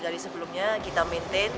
dari sebelumnya kita maintain